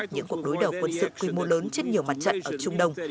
những cuộc đối đầu quân sự quy mô lớn trên nhiều mặt trận ở trung đông